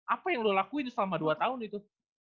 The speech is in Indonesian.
apa yang lo lakuin selama dua tahun itu